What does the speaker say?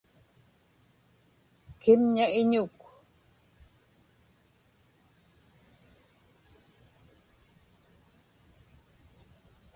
kimña iñuk